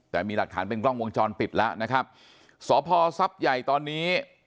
แต่มีหลักฐานเป็นกล้องวงจรปิดแล้วนะครับสพท์ใหญ่ตอนนี้